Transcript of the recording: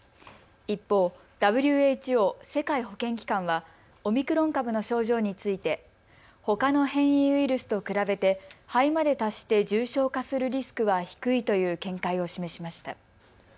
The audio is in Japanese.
一方、ＷＨＯ・世界保健機関はオミクロン株の症状についてほかの変異ウイルスと比べて肺まで達して重症化するリスクは低いという見解を示しました。